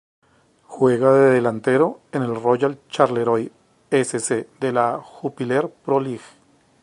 Juega de delantero en el Royal Charleroi S. C. de la Jupiler Pro League.